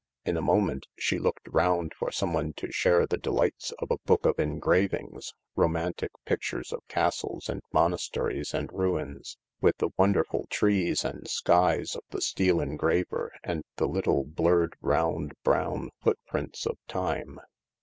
In a moment she looked round for someone to share the delights of a book of engravings — romantic pictures of castles and monasteries and ruins, with the wonderful trees and skies of the steel engraver and the little blurred, round, brown footprints of time.